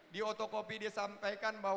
di otokopi disampaikan bahwa